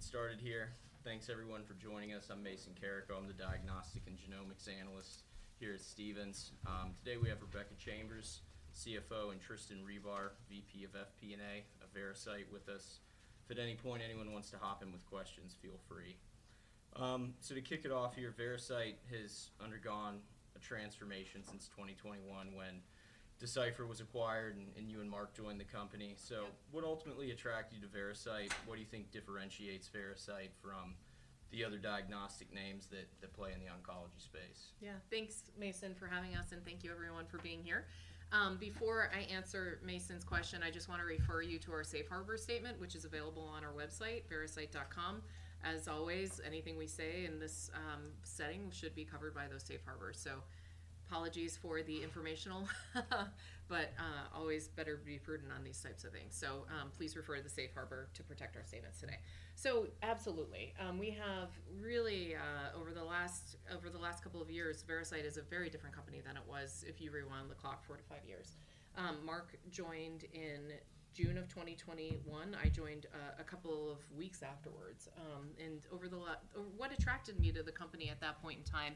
Go ahead and get started here. Thanks, everyone, for joining us. I'm Mason Carrico. I'm the diagnostic and genomics analyst here at Stephens. Today we have Rebecca Chambers, CFO, and Tristan Ribar, VP of FP&A of Veracyte with us. If at any point anyone wants to hop in with questions, feel free. So to kick it off here, Veracyte has undergone a transformation since 2021, when Decipher was acquired and, and you and Mark joined the company. So what ultimately attracted you to Veracyte? What do you think differentiates Veracyte from the other diagnostic names that, that play in the oncology space? Yeah. Thanks, Mason, for having us, and thank you everyone for being here. Before I answer Mason's question, I just want to refer you to our safe harbor statement, which is available on our website, Veracyte.com. As always, anything we say in this setting should be covered by those safe harbors. So apologies for the informational, but always better to be prudent on these types of things. So, please refer to the safe harbor to protect our statements today. So absolutely, we have really over the last, over the last couple of years, Veracyte is a very different company than it was if you rewind the clock four to five years. Marc joined in June of 2021. I joined a couple of weeks afterwards. What attracted me to the company at that point in time,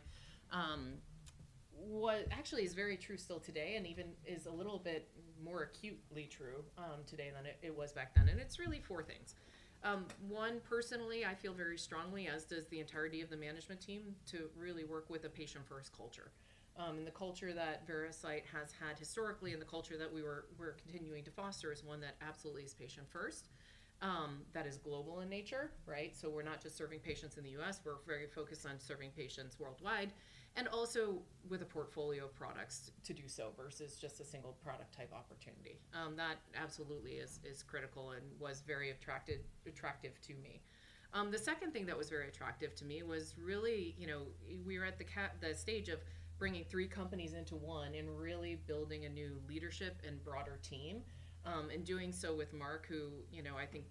what actually is very true still today, and even is a little bit more acutely true today than it was back then, and it's really four things. One, personally, I feel very strongly, as does the entirety of the management team, to really work with a patient-first culture. And the culture that Veracyte has had historically and the culture that we're continuing to foster is one that absolutely is patient first, that is global in nature, right? So we're not just serving patients in the U.S., we're very focused on serving patients worldwide, and also with a portfolio of products to do so, versus just a single product-type opportunity. That absolutely is critical and was very attractive to me. The second thing that was very attractive to me was really, you know, we were at the stage of bringing three companies into one and really building a new leadership and broader team. And doing so with Marc, who, you know, I think,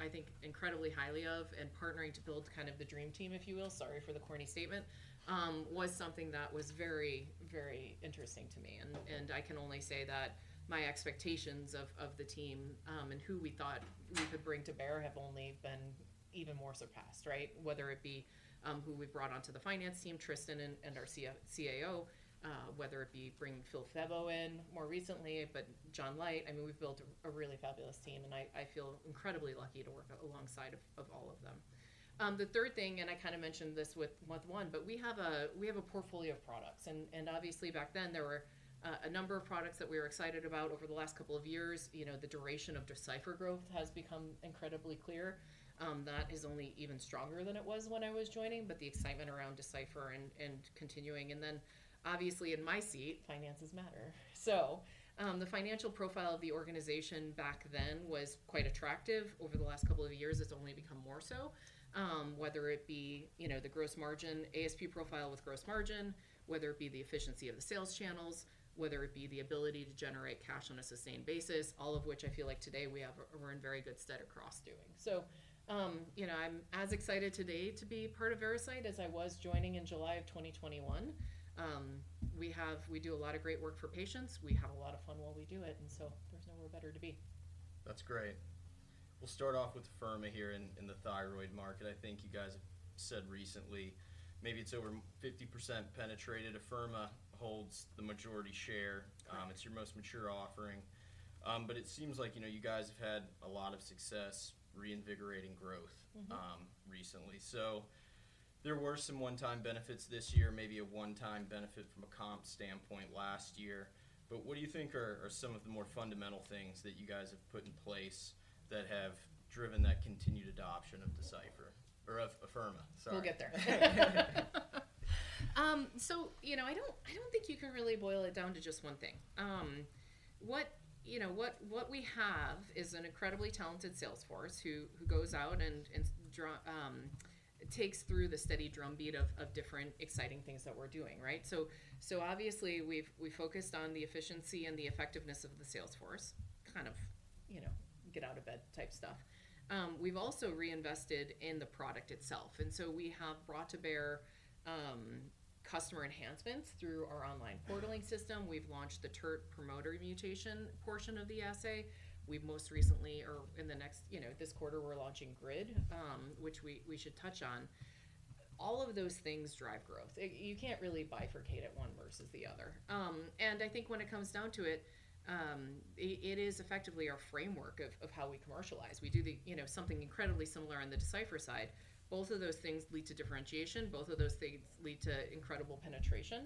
I think incredibly highly of, and partnering to build kind of the dream team, if you will, sorry for the corny statement, was something that was very, very interesting to me. And, and I can only say that my expectations of, of the team, and who we thought we could bring to bear have only been even more surpassed, right? Whether it be, who we've brought onto the finance team, Tristan and, and our CEO, whether it be bringing Phillip Febbo in more recently, but John Leite. I mean, we've built a really fabulous team, and I feel incredibly lucky to work alongside of all of them. The third thing, and I kind of mentioned this with one, but we have a portfolio of products, and obviously back then, there were a number of products that we were excited about over the last couple of years. You know, the duration of Decipher growth has become incredibly clear. That is only even stronger than it was when I was joining, but the excitement around Decipher and continuing. Then, obviously, in my seat, finances matter. So, the financial profile of the organization back then was quite attractive. Over the last couple of years, it's only become more so. Whether it be, you know, the gross margin, ASP profile with gross margin, whether it be the efficiency of the sales channels, whether it be the ability to generate cash on a sustained basis, all of which I feel like today we're in very good stead across doing. So, you know, I'm as excited today to be part of Veracyte as I was joining in July of 2021. We do a lot of great work for patients. We have a lot of fun while we do it, and so there's nowhere better to be. That's great. We'll start off with Afirma here in the thyroid market. I think you guys have said recently, maybe it's over 50% penetrated. Afirma holds the majority share. It's your most mature offering. But it seems like, you know, you guys have had a lot of success reinvigorating growth Mm-hmm recently. So there were some one-time benefits this year, maybe a one-time benefit from a comp standpoint last year. But what do you think are some of the more fundamental things that you guys have put in place that have driven that continued adoption of Decipher or of Afirma? Sorry. We'll get there. So, you know, I don't, I don't think you can really boil it down to just one thing. What, you know, what, what we have is an incredibly talented sales force who, who goes out and, and takes through the steady drumbeat of, of different exciting things that we're doing, right? So, so obviously, we've focused on the efficiency and the effectiveness of the sales force. Kind of, you know, get out of bed type stuff. We've also reinvested in the product itself, and so we have brought to bear customer enhancements through our online portaling system. We've launched the TERT Promoter Mutation portion of the assay. We've most recently or in the next, you know, this quarter, we're launching Grid, which we, we should touch on. All of those things drive growth. You can't really bifurcate it, one versus the other. And I think when it comes down to it, it is effectively our framework of how we commercialize. We do the, you know, something incredibly similar on the Decipher side. Both of those things lead to differentiation, both of those things lead to incredible penetration,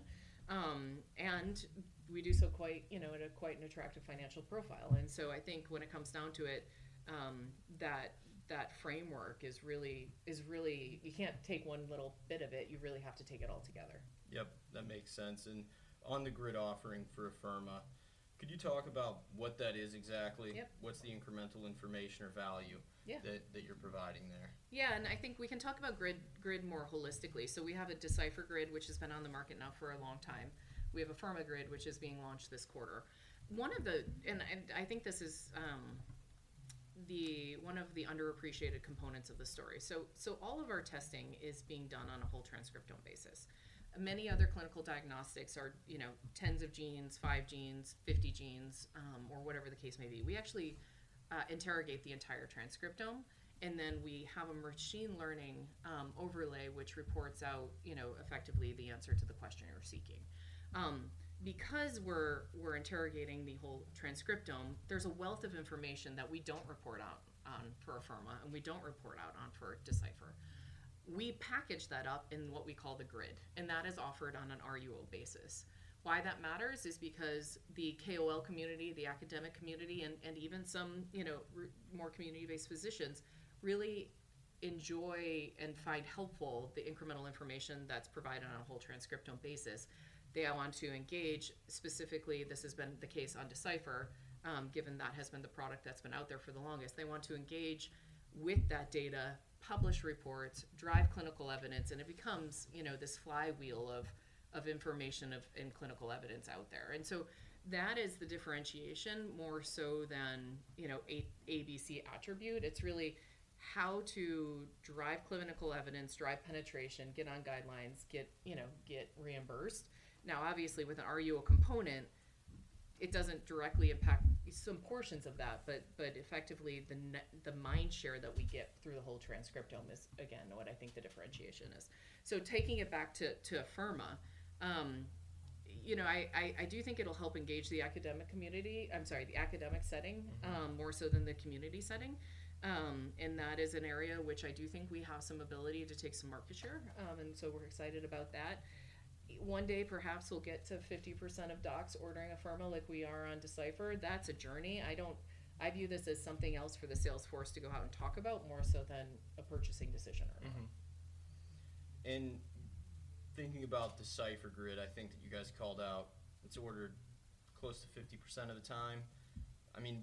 and we do so quite, you know, at quite an attractive financial profile. And so I think when it comes down to it, that framework is really. You can't take one little bit of it, you really have to take it all together. Yep, that makes sense. On the Grid offering for Afirma, could you talk about what that is exactly? Yep. What's the incremental information or value Yeah that you're providing there? Yeah, and I think we can talk about GRID more holistically. So we have a Decipher GRID, which has been on the market now for a long time. We have Afirma GRID, which is being launched this quarter. One of the underappreciated components of the story. So all of our testing is being done on a whole transcriptome basis. Many other clinical diagnostics are, you know, 10 of genes, five genes, 50 genes, or whatever the case may be. We actually interrogate the entire transcriptome, and then we have a machine learning overlay, which reports out, you know, effectively the answer to the question you're seeking. Because we're, we're interrogating the whole transcriptome, there's a wealth of information that we don't report out for Afirma, and we don't report out on for Decipher. We package that up in what we call the GRID, and that is offered on an RUO basis. Why that matters is because the KOL community, the academic community, and even some, you know, more community-based physicians, really enjoy and find helpful the incremental information that's provided on a whole transcriptome basis. They all want to engage. Specifically, this has been the case on Decipher, given that has been the product that's been out there for the longest. They want to engage with that data, publish reports, drive clinical evidence, and it becomes, you know, this flywheel of information in clinical evidence out there. And so that is the differentiation, more so than, you know, ABC attribute. It's really how to drive clinical evidence, drive penetration, get on guidelines, you know, get reimbursed. Now, obviously, with an RUO component, it doesn't directly impact some portions of that, but effectively, the mind share that we get through the whole transcriptome is, again, what I think the differentiation is. So taking it back to Afirma, you know, I do think it'll help engage the academic community, I'm sorry, the academic setting Mm-hmm. more so than the community setting. That is an area which I do think we have some ability to take some market share. So we're excited about that. One day, perhaps we'll get to 50% of docs ordering Afirma like we are on Decipher. That's a journey. I don't. I view this as something else for the sales force to go out and talk about, more so than a purchasing decision. Mm-hmm. And thinking about Decipher GRID, I think that you guys called out, it's ordered close to 50% of the time. I mean,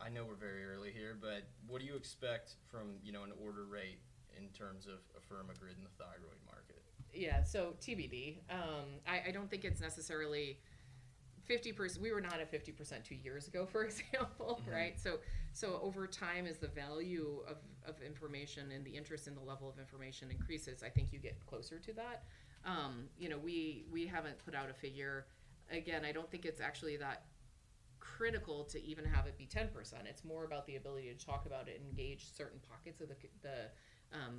I know we're very early here, but what do you expect from, you know, an order rate in terms of Afirma GRID in the thyroid market? Yeah. So TBD. I don't think it's necessarily 50%. We were not at 50% two years ago, for example, right? Mm-hmm. So over time, as the value of information and the interest in the level of information increases, I think you get closer to that. You know, we haven't put out a figure. Again, I don't think it's actually that critical to even have it be 10%. It's more about the ability to talk about it and engage certain pockets of the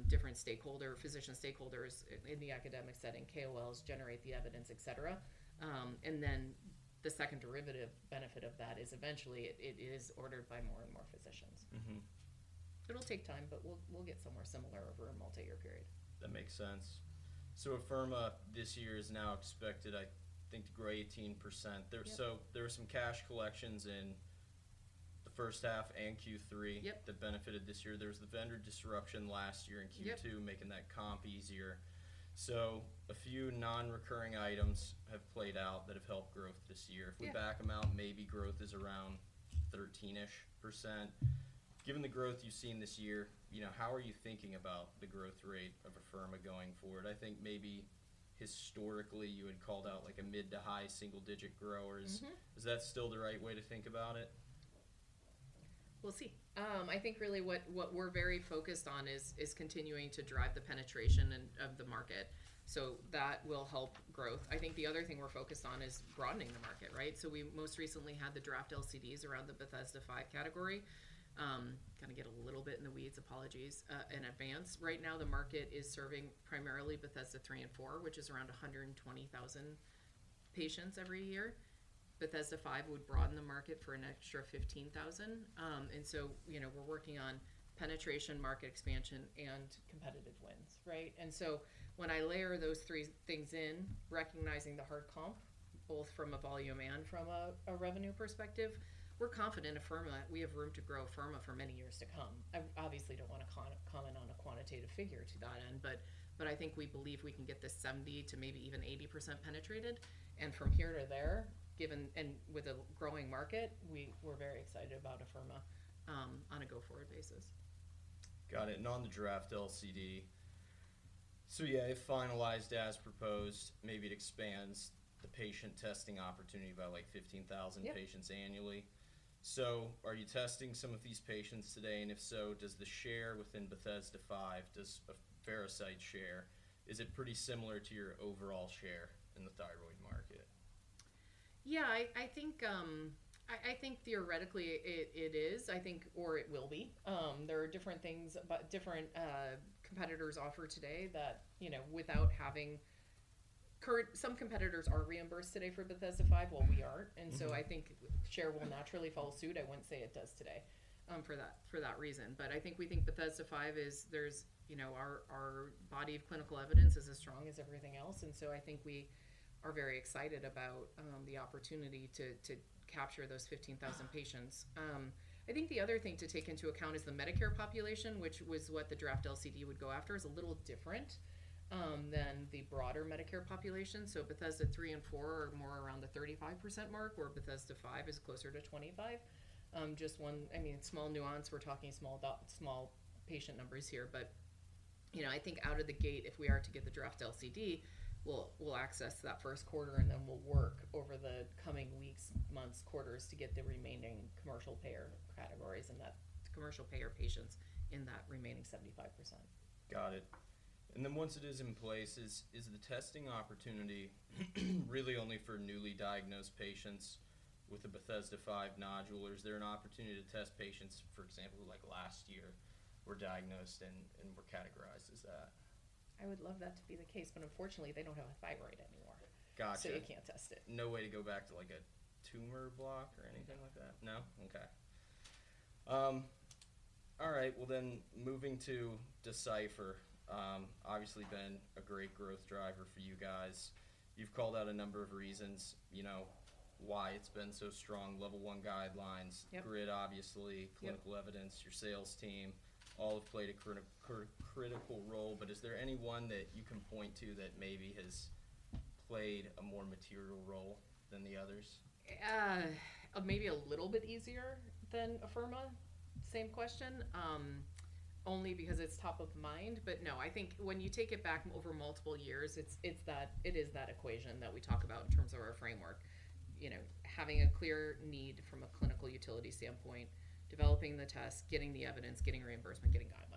different stakeholder, physician stakeholders in the academic setting, KOLs, generate the evidence, et cetera. And then the second derivative benefit of that is eventually it is ordered by more and more physicians. Mm-hmm. It'll take time, but we'll get somewhere similar over a multi-year period. That makes sense. So Afirma, this year, is now expected, I think, to grow 18%. Yep. There, so there were some cash collections in the first half and Q3 Yep that benefited this year. There was the vendor disruption last year in Q2 Yep making that comp easier. So a few non-recurring items have played out that have helped growth this year. Yeah. If we back them out, maybe growth is around 13%. Given the growth you've seen this year, you know, how are you thinking about the growth rate of Afirma going forward? I think maybe historically, you had called out, like, a mid- to high-single-digit growers. Mm-hmm. Is that still the right way to think about it? We'll see. I think really what, what we're very focused on is, is continuing to drive the penetration and, of the market, so that will help growth. I think the other thing we're focused on is broadening the market, right? So we most recently had the draft LCDs around the Bethesda 5 Category. Kinda get a little bit in the weeds. Apologies in advance. Right now, the market is serving primarily Bethesda 3 and 4, which is around 120,000 patients every year. Bethesda 5 would broaden the market for an extra 15,000. And so, you know, we're working on penetration, market expansion, and competitive wins, right? And so when I layer those three things in, recognizing the hard comp, both from a volume and from a, a revenue perspective, we're confident in Afirma. We have room to grow Afirma for many years to come. I obviously don't want to comment on a quantitative figure to that end, but I think we believe we can get this 70% to maybe even 80% penetrated. And from here to there, given and with a growing market, we're very excited about Afirma on a go-forward basis. Got it. On the draft LCD, so yeah, if finalized as proposed, maybe it expands the patient testing opportunity by, like, 15,000 Yep patients annually. So are you testing some of these patients today? And if so, does the share within Bethesda 5, does a Veracyte share, is it pretty similar to your overall share in the thyroid market? Yeah, I think theoretically it is. I think, or it will be. There are different things, but different competitors offer today that, you know, without having Some competitors are reimbursed today for Bethesda 5, well, we aren't. Mm-hmm. I think share will naturally follow suit. I wouldn't say it does today, for that, for that reason. But I think we think Bethesda 5 is there's, you know, our body of clinical evidence is as strong as everything else, and so I think we are very excited about the opportunity to capture those 15,000 patients. I think the other thing to take into account is the Medicare population, which was what the draft LCD would go after, is a little different than the broader Medicare population. So Bethesda 3 and 4 are more around the 35% mark, where Bethesda 5 is closer to 25%. Just one, I mean, small nuance. We're talking small, small patient numbers here, but, you know, I think out of the gate, if we are to get the draft LCD, we'll access that first quarter, and then we'll work over the coming weeks, months, quarters to get the remaining commercial payer categories in that commercial payer patients in that remaining 75%. Got it. And then once it is in place, is the testing opportunity really only for newly diagnosed patients with a Bethesda 5 nodule, or is there an opportunity to test patients, for example, who, like last year, were diagnosed and were categorized as that? I would love that to be the case, but unfortunately, they don't have a thyroid anymore. Gotcha. So you can't test it. No way to go back to, like, a tumor block or anything like that? No. No? Okay. All right, well, then, moving to Decipher, obviously been a great growth driver for you guys. You've called out a number of reasons, you know, why it's been so strong: level one guidelines- Yep. GRID, obviously Yep clinical evidence, your sales team, all have played a critical role. But is there any one that you can point to that maybe has played a more material role than the others? Maybe a little bit easier than Afirma. Same question, only because it's top of mind. But no, I think when you take it back over multiple years, it is that equation that we talk about in terms of our framework. You know, having a clear need from a clinical utility standpoint, developing the test, getting the evidence, getting reimbursement, getting guidelines.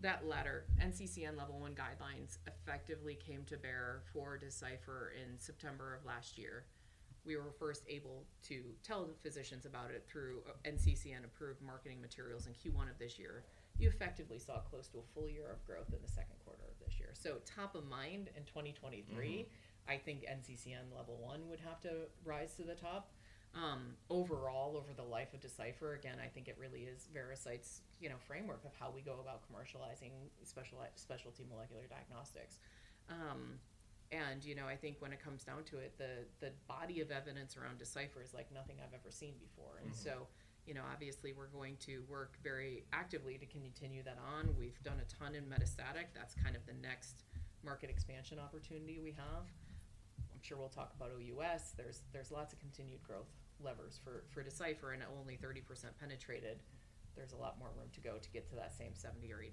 That latter, NCCN Level 1 guidelines, effectively came to bear for Decipher in September of last year. We were first able to tell the physicians about it through NCCN-approved marketing materials in Q1 of this year. You effectively saw close to a full-year of growth in the second quarter of this year. So top of mind, in 2023 Mm-hmm I think NCCN Level 1 would have to rise to the top. Overall, over the life of Decipher, again, I think it really is Veracyte's, you know, framework of how we go about commercializing specialty molecular diagnostics. And, you know, I think when it comes down to it, the body of evidence around Decipher is like nothing I've ever seen before. Mm-hmm. You know, obviously, we're going to work very actively to continue that on. We've done a ton in metastatic. That's kind of the next market expansion opportunity we have. I'm sure we'll talk about OUS. There's lots of continued growth levers for Decipher, and only 30% penetrated. There's a lot more room to go to get to that same 70% or 80%.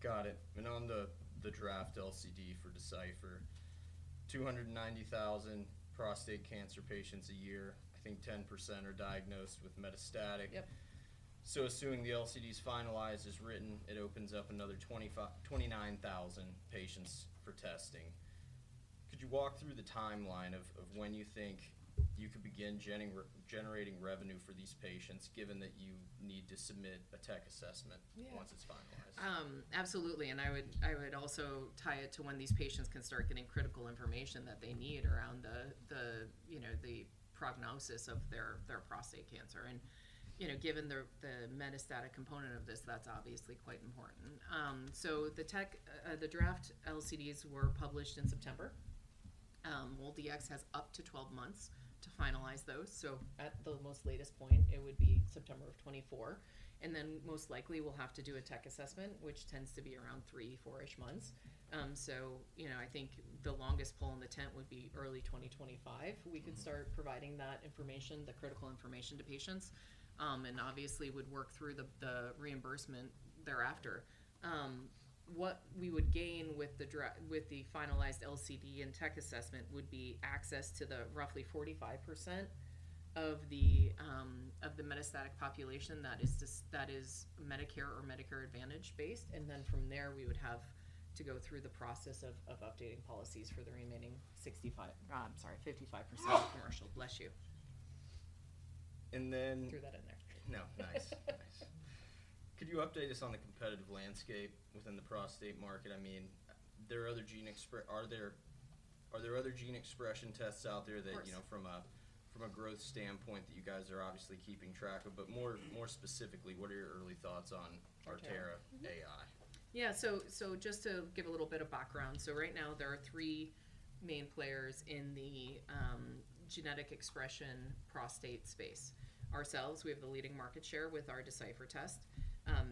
Got it. And on the the draft LCD for Decipher, 290,000 prostate cancer patients a year, I think 10% are diagnosed with metastatic. Yep. So assuming the LCD's finalized as written, it opens up another 29,000 patients for testing. Could you walk through the timeline of when you think you could begin generating revenue for these patients, given that you need to submit a Tech Assessment? Yeah... once it's finalized? Absolutely, and I would, I would also tie it to when these patients can start getting critical information that they need around the you know, the prognosis of their prostate cancer. And, you know, given the metastatic component of this, that's obviously quite important. So the draft LCDs were published in September. MolDX has up to 12 months to finalize those. So at the most latest point, it would be September of 2024, and then most likely we'll have to do a Tech Assessment, which tends to be around three, four months. So, you know, I think the longest pole in the tent would be early 2025. Mm-hmm. We could start providing that information, the critical information to patients, and obviously would work through the reimbursement thereafter. What we would gain with the finalized LCD and Tech Assessment would be access to the roughly 45% of the metastatic population that is Medicare or Medicare Advantage-based. And then from there, we would have to go through the process of updating policies for the remaining 65%, I'm sorry, 55% commercial. Bless you. And then Threw that in there. No, nice. Nice. Could you update us on the competitive landscape within the prostate market? I mean, there are other gene expression, Are there, are there other gene expression tests out there that- Of course you know, from a, from a growth standpoint, that you guys are obviously keeping track of, but more, more specifically, what are your early thoughts on Artera AI? Yeah. So, so just to give a little bit of background: so right now there are three main players in the genetic expression prostate space. Ourselves, we have the leading market share with our Decipher test.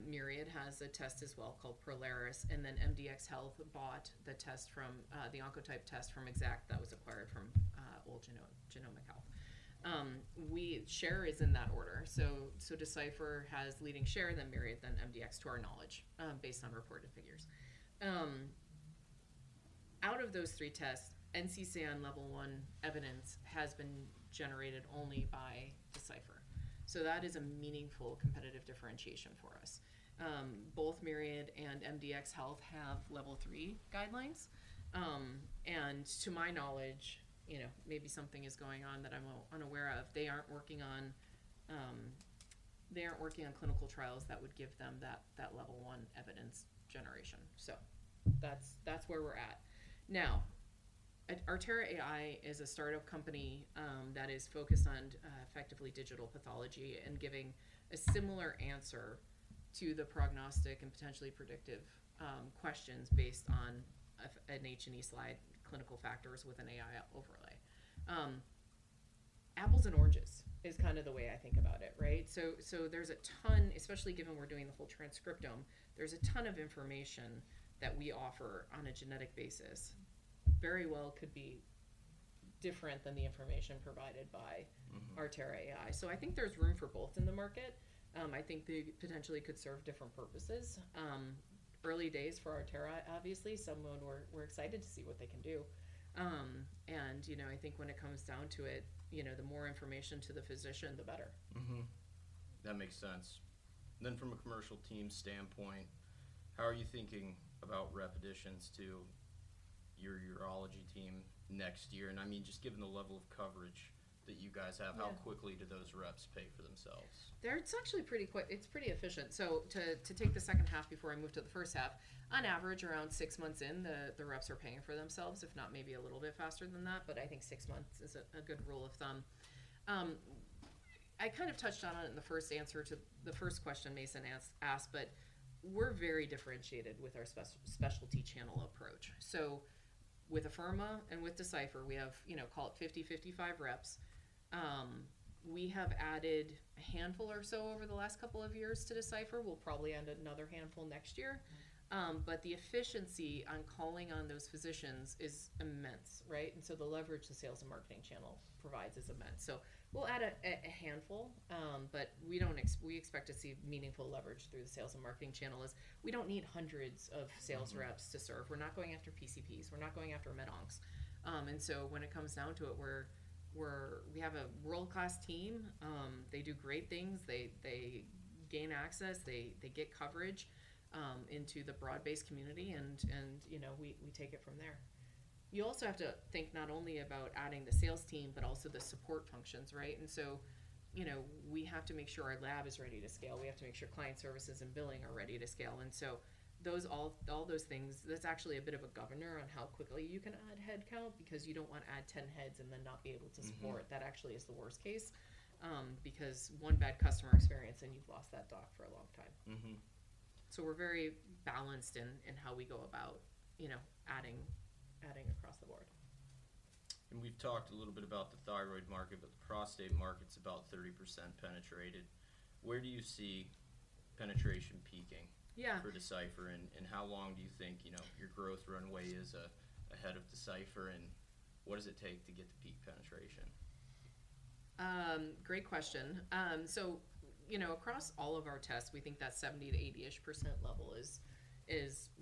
Myriad has a test as well called Prolaris, and then MDxHealth bought the test from the Oncotype test from Exact that was acquired from old Genomic Health. Our share is in that order, so, so Decipher has leading share, then Myriad, then MDxHealth, to our knowledge, based on reported figures. Out of those three tests, NCCN Level 1 evidence has been generated only by Decipher, so that is a meaningful competitive differentiation for us. Both Myriad and MDxHealth have level three guidelines, and to my knowledge, you know, maybe something is going on that I'm unaware of, they aren't working on clinical trials that would give them that level one evidence generation. So that's where we're at. Now, Artera AI is a startup company that is focused on effectively digital pathology and giving a similar answer to the prognostic and potentially predictive questions based on an H&E slide, clinical factors with an AI overlay. Apples and oranges is kind of the way I think about it, right? So there's a ton, especially given we're doing the whole transcriptome, there's a ton of information that we offer on a genetic basis, very well could be different than the information provided by- Mm-hmm Artera AI. So I think there's room for both in the market. I think they potentially could serve different purposes. Early days for Artera, obviously, so we're excited to see what they can do. And, you know, I think when it comes down to it, you know, the more information to the physician, the better. Mm-hmm. That makes sense. And then from a commercial team standpoint, how are you thinking about repetitions to your urology team next year? And I mean, just given the level of coverage that you guys have Yeah. How quickly do those reps pay for themselves? It's actually pretty quick. It's pretty efficient. So to take the second half before I move to the first half, on average, around six months in, the reps are paying for themselves, if not, maybe a little bit faster than that, but I think six months is a good rule of thumb. I kind of touched on it in the first answer to the first question Mason asked, but we're very differentiated with our specialty channel approach. So with Afirma and with Decipher, we have, you know, call it 50, 55 reps. We have added a handful or so over the last couple of years to Decipher. We'll probably add another handful next year. But the efficiency on calling on those physicians is immense, right? And so the leverage the sales and marketing channel provides is immense. So we'll add a handful, but we don't expect to see meaningful leverage through the sales and marketing channel, as we don't need hundreds of sales reps- Mm-hmm. to serve. We're not going after PCPs, we're not going after med-oncs. And so when it comes down to it, we're we have a world-class team. They do great things. They gain access, they get coverage into the broad-based community, and you know, we take it from there. You also have to think not only about adding the sales team, but also the support functions, right? And so, you know, we have to make sure our lab is ready to scale. We have to make sure client services and billing are ready to scale. And so those all those things, that's actually a bit of a governor on how quickly you can add headcount, because you don't want to add 10 heads and then not be able to support. Mm-hmm. That actually is the worst case, because one bad customer experience, and you've lost that doc for a long time. Mm-hmm. So we're very balanced in how we go about, you know, adding across the board. We've talked a little bit about the thyroid market, but the prostate market's about 30% penetrated. Where do you see penetration peaking? Yeah for Decipher, and how long do you think, you know, your growth runway is ahead of Decipher, and what does it take to get to peak penetration? Great question. So, you know, across all of our tests, we think that 70%-80%% level is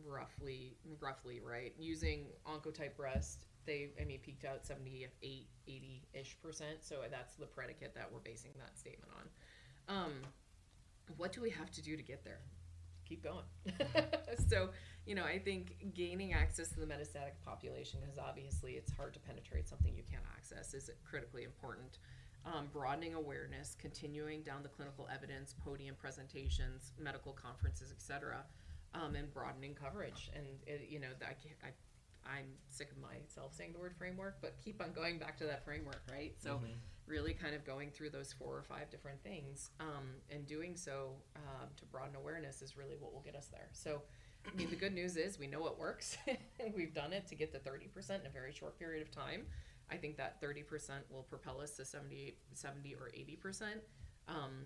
roughly right. Using Oncotype Breast, they, I mean, peaked out 78%, 80%%, so that's the predicate that we're basing that statement on. What do we have to do to get there? Keep going. So, you know, I think gaining access to the metastatic population, because obviously, it's hard to penetrate something you can't access, is critically important. Broadening awareness, continuing down the clinical evidence, podium presentations, medical conferences, et cetera, and broadening coverage. And, you know, I, I'm sick of myself saying the word framework, but keep on going back to that framework, right? Mm-hmm. So really kind of going through those four or five different things, and doing so, to broaden awareness is really what will get us there. So, I mean, the good news is we know what works, and we've done it to get to 30% in a very short period of time. I think that 30% will propel us to 70%, or 80%.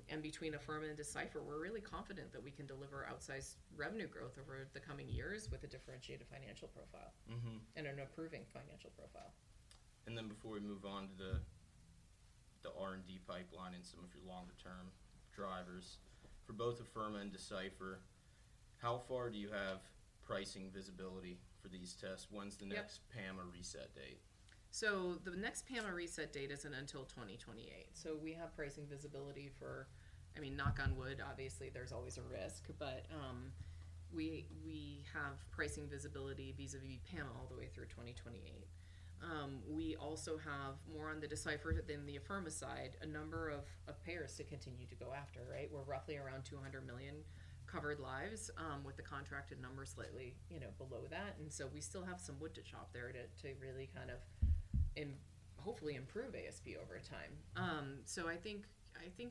And between Afirma and Decipher, we're really confident that we can deliver outsized revenue growth over the coming years with a differentiated financial profile- Mm-hmm and an approving financial profile. And then before we move on to the R&D pipeline and some of your longer-term drivers, for both Afirma and Decipher, how far do you have pricing visibility for these tests? Yep. When's the next PAMA reset date? So the next PAMA reset date isn't until 2028. So we have pricing visibility for... I mean, knock on wood, obviously, there's always a risk, but, we have pricing visibility vis-à-vis PAMA all the way through 2028. We also have more on the Decipher than the Afirma side, a number of payers to continue to go after, right? We're roughly around 200 million covered lives, with the contracted numbers slightly, you know, below that. And so we still have some wood to chop there to really kind of hopefully improve ASP over time. So I think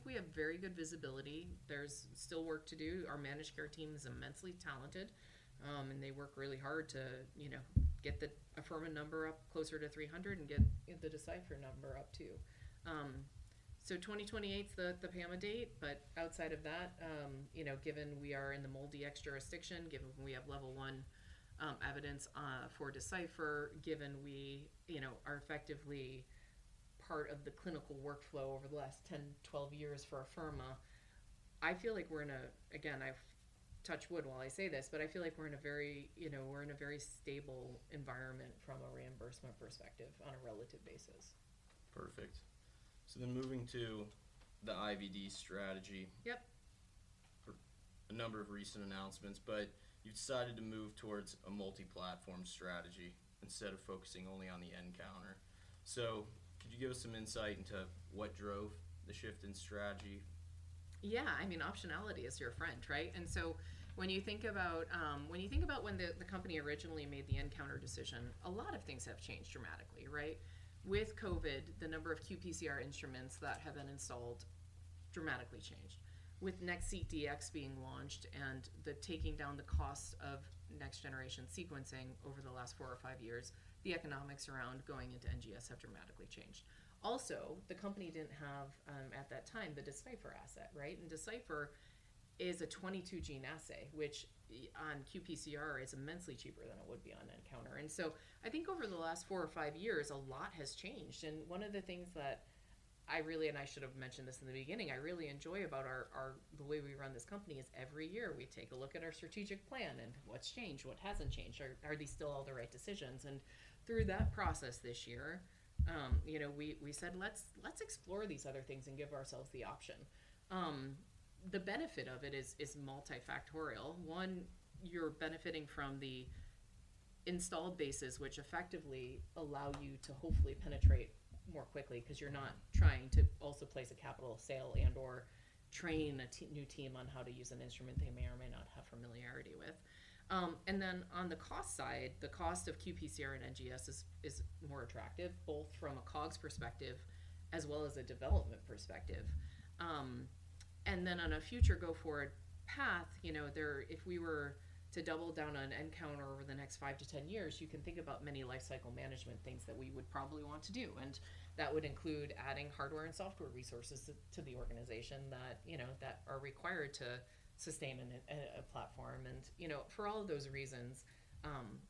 we have very good visibility. There's still work to do. Our managed care team is immensely talented, and they work really hard to, you know, get the Afirma number up closer to 300 and get the Decipher number up, too. So, 2028, the PAMA date, but outside of that, you know, given we are in the MolDX jurisdiction, given we have Level 1 evidence for Decipher, given we, you know, are effectively part of the clinical workflow over the last 10, 12 years for Afirma, I feel like we're in a, Again, I've touch wood while I say this, but I feel like we're in a very, you know, we're in a very stable environment from a reimbursement perspective on a relative basis. Perfect. Moving to the IVD strategy Yep For a number of recent announcements, but you've decided to move towards a multi-platform strategy instead of focusing only on the nCounter. So could you give us some insight into what drove the shift in strategy? Yeah. I mean, optionality is your friend, right? And so when you think about when the company originally made the nCounter decision, a lot of things have changed dramatically, right? With COVID, the number of qPCR instruments that have been installed dramatically changed. With NovaSeq being launched and the taking down the cost of next-generation sequencing over the last four or five years, the economics around going into NGS have dramatically changed. Also, the company didn't have at that time the Decipher asset, right? And Decipher is a 22-gene assay, which on qPCR is immensely cheaper than it would be on nCounter. And so I think over the last four or five years, a lot has changed, and one of the things that I really, and I should have mentioned this in the beginning, I really enjoy about our our-... The way we run this company is every year we take a look at our strategic plan and what's changed, what hasn't changed, are these still all the right decisions? Through that process this year, you know, we said, "Let's explore these other things and give ourselves the option." The benefit of it is multifactorial. One, you're benefiting from the installed bases, which effectively allow you to hopefully penetrate more quickly, 'cause you're not trying to also place a capital sale and/or train a new team on how to use an instrument they may or may not have familiarity with. And then on the cost side, the cost of qPCR and NGS is more attractive, both from a COGS perspective as well as a development perspective. And then on a future go-forward path, you know, there, if we were to double down on nCounter over the next five to 10 years, you can think about many lifecycle management things that we would probably want to do, and that would include adding hardware and software resources to the organization that, you know, that are required to sustain a platform. And, you know, for all of those reasons,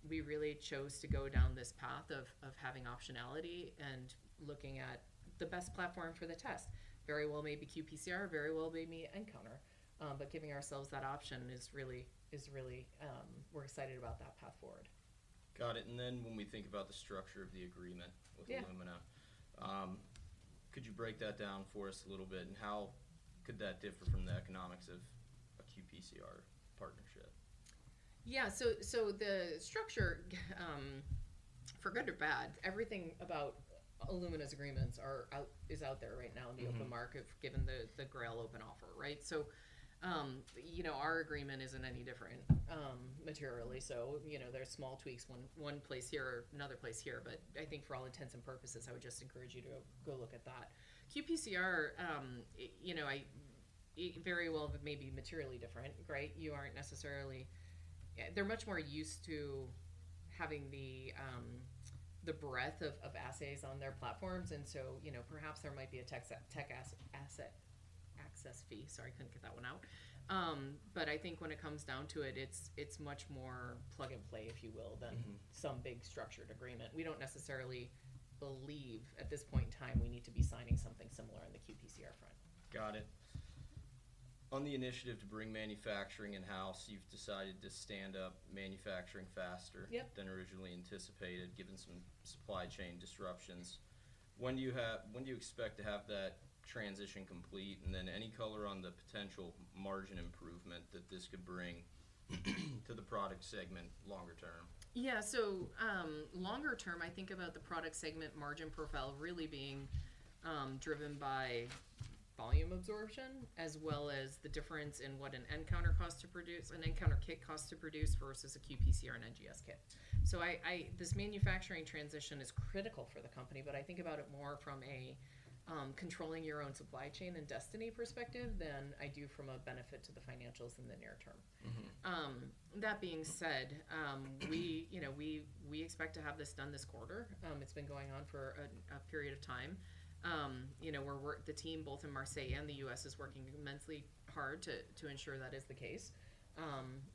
we really chose to go down this path of having optionality and looking at the best platform for the test. Very well may be qPCR, very well may be nCounter, but giving ourselves that option is really. We're excited about that path forward. Got it. When we think about the structure of the agreement- Yeah with Illumina, could you break that down for us a little bit? And how could that differ from the economics of a qPCR partnership? Yeah. So the structure, for good or bad, everything about Illumina's agreements are out-- is out there right now- Mm-hmm in the open market, given the, the Grail open offer, right? So, you know, our agreement isn't any different, materially. So, you know, there are small tweaks, one, one place here or another place here, but I think for all intents and purposes, I would just encourage you to go look at that. qPCR, you know, it very well may be materially different, right? You aren't necessarily, They're much more used to having the, the breadth of, of assays on their platforms, and so, you know, perhaps there might be a tech assessment access fee. Sorry, couldn't get that one out. But I think when it comes down to it, it's, it's much more plug and play, if you will- Mm-hmm than some big structured agreement. We don't necessarily believe, at this point in time, we need to be signing something similar on the qPCR front. Got it. On the initiative to bring manufacturing in-house, you've decided to stand up manufacturing faster Yep than originally anticipated, given some supply chain disruptions. When do you expect to have that transition complete? And then any color on the potential margin improvement that this could bring to the product segment longer term? Yeah. So, longer term, I think about the product segment margin profile really being driven by volume absorption, as well as the difference in what an nCounter costs to produce, an nCounter kit costs to produce versus a qPCR and NGS kit. So this manufacturing transition is critical for the company, but I think about it more from a controlling your own supply chain and destiny perspective than I do from a benefit to the financials in the near term. Mm-hmm. That being said, you know, we expect to have this done this quarter. It's been going on for a period of time. You know, the team, both in Marseille and the U.S., is working immensely hard to ensure that is the case.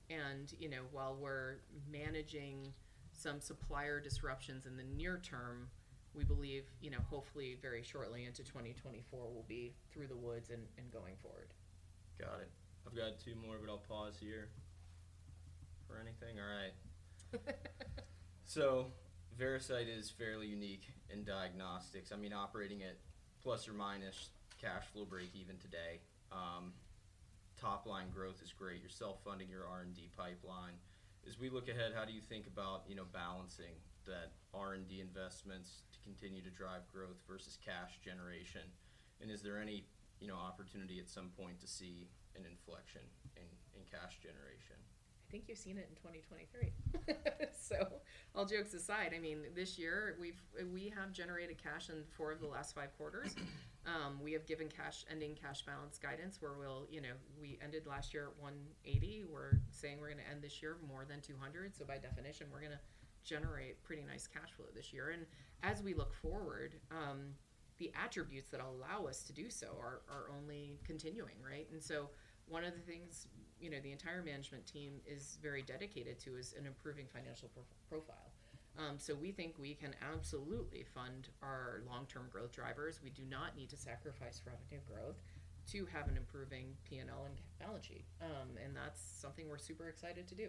And, you know, while we're managing some supplier disruptions in the near term, we believe, you know, hopefully very shortly into 2024, we'll be through the woods and going forward. Got it. I've got two more, but I'll pause here for anything. All right. So Veracyte is fairly unique in diagnostics. I mean, operating at ± cash flow breakeven today, top-line growth is great. You're self-funding your R&D pipeline. As we look ahead, how do you think about, you know, balancing that R&D investments to continue to drive growth versus cash generation? And is there any, you know, opportunity at some point to see an inflection in, in cash generation? I think you've seen it in 2023. So all jokes aside, I mean, this year, we've generated cash in four of the last five quarters. We have given cash ending cash balance guidance, where we'll, you know, we ended last year at $180 million. We're saying we're gonna end this year more than $200 million, so by definition, we're gonna generate pretty nice cash flow this year. And as we look forward, the attributes that allow us to do so are only continuing, right? And so one of the things, you know, the entire management team is very dedicated to, is an improving financial profile. So we think we can absolutely fund our long-term growth drivers. We do not need to sacrifice revenue growth to have an improving P&L and technology, and that's something we're super excited to do.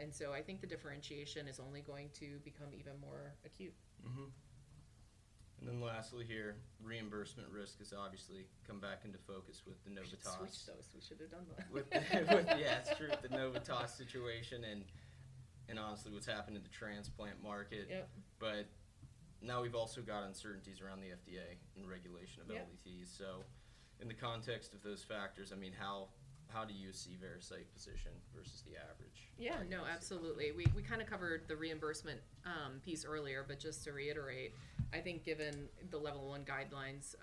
And so I think the differentiation is only going to become even more acute. Mm-hmm. Lastly here, reimbursement risk has obviously come back into focus with the Novitas We should switch those. We should have done that. Yeah, it's true, the Novi situation and obviously what's happened in the transplant market. Yep. But now we've also got uncertainties around the FDA and regulation of Yeah LDTs. So in the context of those factors, I mean, how do you see Veracyte's position versus the average? Yeah. No, absolutely. We kinda covered the reimbursement piece earlier, but just to reiterate, I think given the Level One guidelines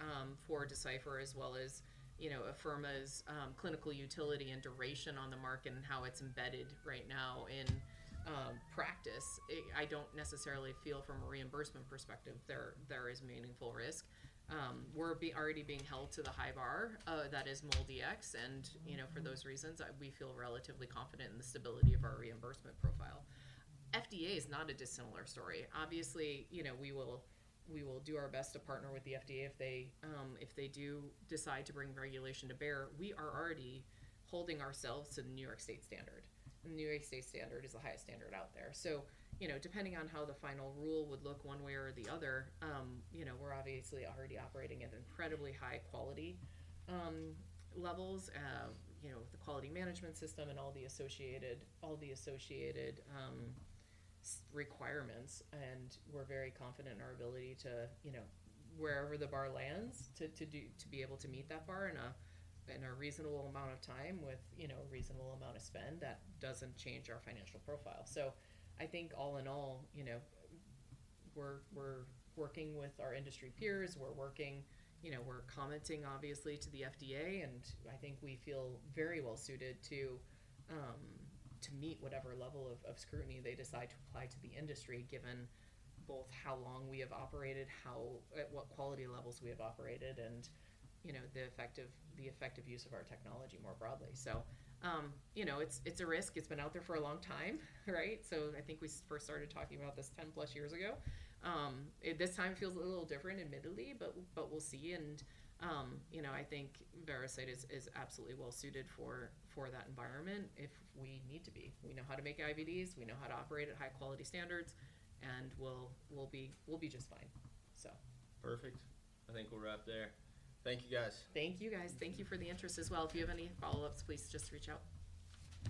for Decipher, as well as, you know, Afirma's clinical utility and duration on the market and how it's embedded right now in practice, I don't necessarily feel from a reimbursement perspective, there is meaningful risk. We're already being held to the high bar that is MolDX, and, you know, for those reasons, we feel relatively confident in the stability of our reimbursement profile. FDA is not a dissimilar story. Obviously, you know, we will do our best to partner with the FDA if they do decide to bring regulation to bear. We are already holding ourselves to the New York State standard, and the New York State standard is the highest standard out there. So, you know, depending on how the final rule would look one way or the other, you know, we're obviously already operating at incredibly high quality levels, you know, with the quality management system and all the associated requirements. And we're very confident in our ability to, you know, wherever the bar lands, to be able to meet that bar in a reasonable amount of time with, you know, a reasonable amount of spend. That doesn't change our financial profile. So I think all in all, you know, we're working with our industry peers. We're working, You know, we're commenting, obviously, to the FDA, and I think we feel very well suited to meet whatever level of scrutiny they decide to apply to the industry, given both how long we have operated, how at what quality levels we have operated, and, you know, the effective use of our technology more broadly. So, you know, it's a risk. It's been out there for a long time, right? So I think we first started talking about this 10+ years ago. This time feels a little different, admittedly, but we'll see. And, you know, I think Veracyte is absolutely well suited for that environment if we need to be. We know how to make IVDs, we know how to operate at high-quality standards, and we'll be just fine. So. Perfect. I think we'll wrap there. Thank you, guys. Thank you, guys. Thank you for the interest as well. If you have any follow-ups, please just reach out.